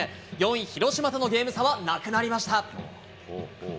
４位広島とのゲーム差はなくなりました。